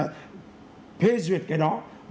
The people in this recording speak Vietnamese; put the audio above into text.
và họ có thể phê duyệt cái phương án đấy